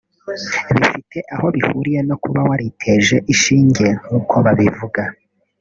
bifite aho bihuriye no kuba wariteje inshinge nk’uko abivuga